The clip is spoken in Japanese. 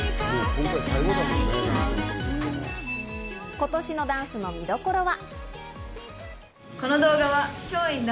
今年のダンスの見どころは。